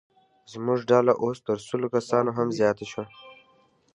زموږ ډله اوس تر سلو کسانو هم زیاته شوه.